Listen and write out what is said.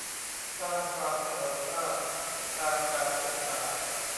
สร้างความเสมอภาคทางการศึกษา